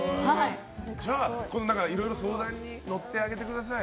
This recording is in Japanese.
じゃあ、いろいろ相談に乗ってあげてください。